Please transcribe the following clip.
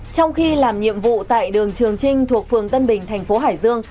trong khi làm nhiệm vụ tại đường trường trinh thuộc phường tân bình thành phố hải dương